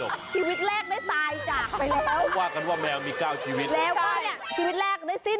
กลิ่นดือเป็นเหตุสังเกตได้